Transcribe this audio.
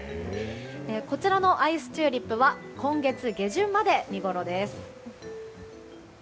こちらのアイスチューリップは今月下旬まで見ごろです。